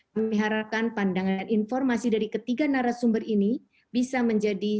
kami harapkan pandangan informasi dari ketiga narasumber ini bisa menjadi